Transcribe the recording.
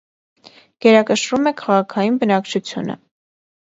Գերակշռում է քաղաքային բնակչությունը։